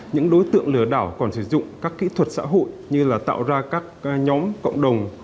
những đối tượng lừa đảo còn sử dụng các kỹ thuật xã hội như là tạo ra các nhóm cộng đồng